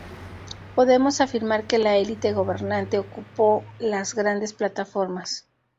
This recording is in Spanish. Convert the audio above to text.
Podemos afirmar que la elite gobernante ocupo las grandes plataformas.